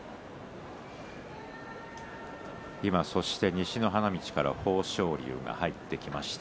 西の花道から豊昇龍が入ってきました。